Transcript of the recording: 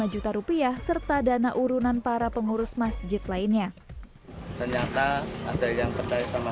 lima juta rupiah serta dana urunan para pengurus masjid lainnya ternyata ada yang percaya sama